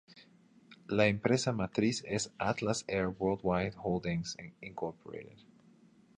La empresa matriz es Atlas Air Worldwide Holdings, Inc.